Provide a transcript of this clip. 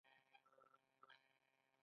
کارغه ولې تور رنګ لري؟